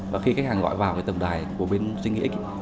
và khi khách hàng gọi vào cái tầm đài của bên doanh nghiệp